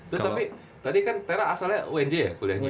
terus tapi tadi kan tera asalnya unj ya kuliahnya